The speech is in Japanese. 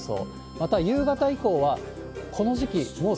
また夕方以降は、この時期、もう